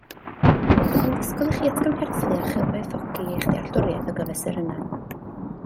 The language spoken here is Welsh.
Byddaf yn disgwyl i chi atgyfnerthu a chyfoethogi eich dealltwriaeth o gyfesurynnau